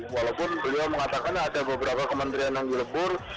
walaupun beliau mengatakan ada beberapa kementerian yang dilebur